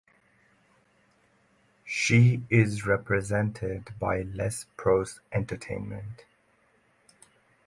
She is represented by Les Pros Entertainment.